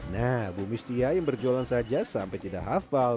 nah bumustia yang berjualan saja sampai tidak hafal